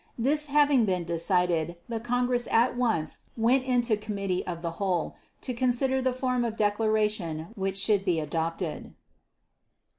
This having been decided, the Congress at once went into committee of the whole, to consider the form of declaration which should be adopted.